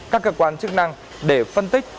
các cơ quan chức năng để phân tích